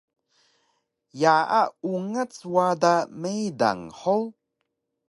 Yaa ungac wada meydang hug?